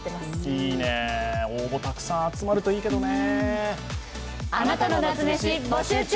いいね、応募たくさん集まるといいけどね。